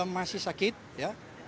masih sakit ya